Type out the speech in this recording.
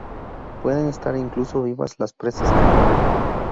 Pueden estar incluso vivas las presas que come.